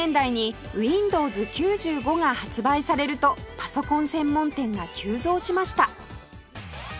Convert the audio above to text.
９０年代に Ｗｉｎｄｏｗｓ９５ が発売されるとパソコン専門店が急増しました